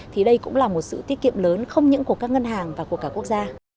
thì đây cũng là một sự tiết kiệm lớn không những của các ngân hàng và của cả quốc gia